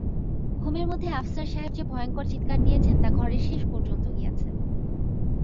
ঘুমের মধ্যে আফসার সাহেব যে ভয়ংকর চিৎকার দিয়েছেন তা ঘরের শেষ পর্যন্ত গিয়েছে।